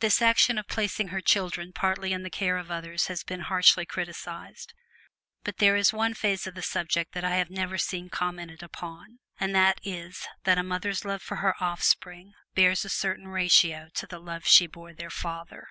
This action of placing her children partly in the care of others has been harshly criticized. But there is one phase of the subject that I have never seen commented upon and that is that a mother's love for her offspring bears a certain ratio to the love she bore their father.